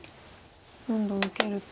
どんどん受けると。